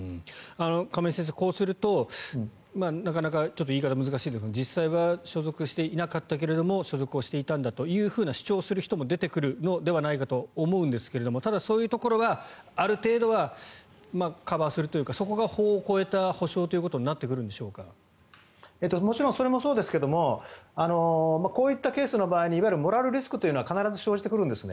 亀井先生、こうするとなかなか言い方難しいですが実際は所属していなかったけれども所属していたんだという主張をする人も出てくるのではないかと思うんですがただ、そういうところはある程度はカバーするというかそこが法を超えた補償ということにもちろんそれもそうですがこういったケースの場合にいわゆるモラルリスクというのは必ず生じてくるんです。